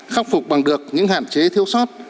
khắc phục bằng được những hạn chế thiếu sót